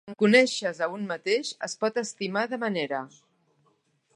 En conèixer-se a un mateix, es pot estimar de manera.